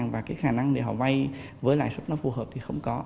cái khả năng để họ vay với lại sức phù hợp thì không có